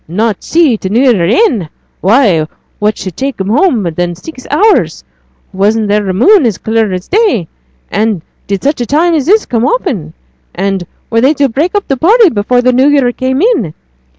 Not see t' New Year in! Why, what should take 'em home these six hours? Wasn't there a moon as clear as day? and did such a time as this come often? And were they to break up the party before the New Year came in?